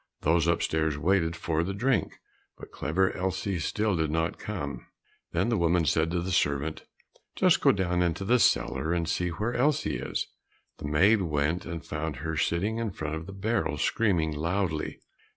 Those upstairs waited for the drink, but Clever Elsie still did not come. Then the woman said to the servant, "Just go down into the cellar and see where Elsie is." The maid went and found her sitting in front of the barrel, screaming loudly.